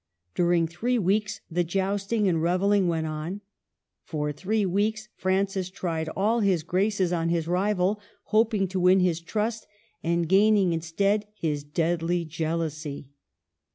During three weeks the jousting and revelling went on ; for three weeks Francis tried all his graces on his rival, hoping to win his trust, and gaining instead his deadly jealousy.